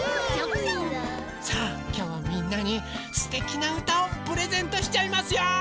さあきょうはみんなにすてきなうたをプレゼントしちゃいますよ！